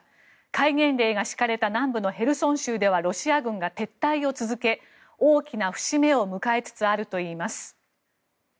戒厳令が敷かれた南部のヘルソン州ではロシア軍が撤退を続け大きな節目を迎えつつあるといいます。